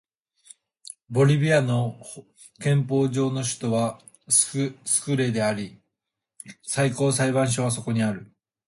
ボリビアの憲法上の首都はスクレであり最高裁判所はそこにある